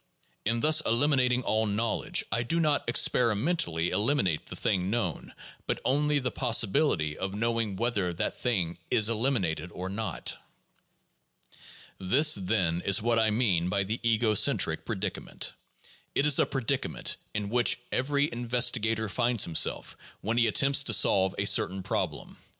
In thus eliminating all knowledge I do not experi mentally eliminate the thing known, but only the possibility of know ing whether that thing is eliminated or not. This, then, is what I mean by the ego centric predicament. It is a predicament in which every investigator finds himself when he attempts to solve a certain problem.